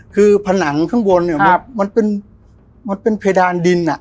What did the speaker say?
คือผนังข้างบนเนี่ยมันเป็นเพดานดิน